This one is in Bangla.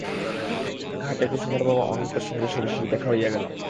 ঘাটে কুসুমের বাবা অনন্তের সঙ্গে শশীর দেখা হইয়া গেল।